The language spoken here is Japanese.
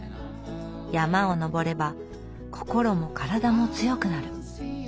山を登れば心も体も強くなる。